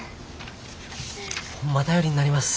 ホンマ頼りになります。